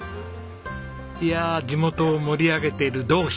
いやあ地元を盛り上げている同志。